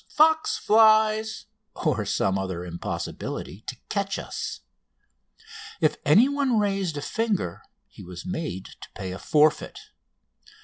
"Fox flies!" or some other like impossibility, to catch us. If anyone raised a finger he was made to pay a forfeit.